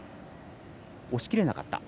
押し切れなかったと。